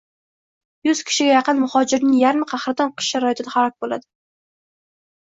Yuz kishiga yaqin muhojirning yarmi qahraton qish sharoitida halok boʻladi